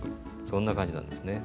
そんな感じなんですね。